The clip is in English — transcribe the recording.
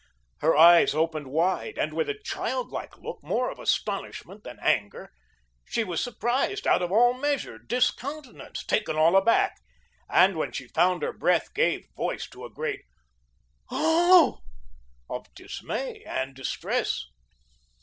Her eyes opened wide with a childlike look, more of astonishment than anger. She was surprised, out of all measure, discountenanced, taken all aback, and when she found her breath, gave voice to a great "Oh" of dismay and distress.